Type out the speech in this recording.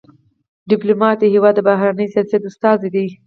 ډيپلومات د هېواد د بهرني سیاست استازی دی.